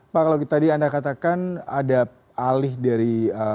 pak kalau tadi anda katakan ada alih dari